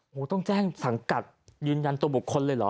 โอ้โหต้องแจ้งสังกัดยืนยันตัวบุคคลเลยเหรอ